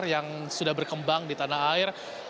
yang sudah berkembang di tanah air